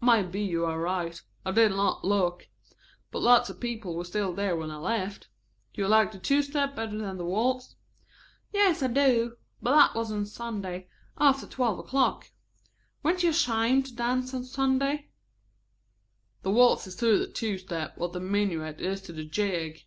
"May be you are right. I did not look. But lots of people were still there when I left. Do you like the two step better than the waltz?" "Yes, I do. But that was on Sunday after twelve o'clock. Weren't you ashamed to dance on Sunday?" "I think I like the waltz better. The waltz is to the two step what the minuet is to the jig.